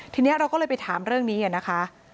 ทีนี้เราก็เลยไปถามเรื่องนี้นะคะ